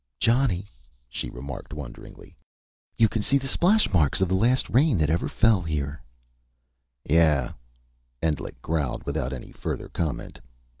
"Johnny," she remarked wonderingly. "You can see the splash marks of the last rain that ever fell here " "Yeah," Endlich growled without any further comment.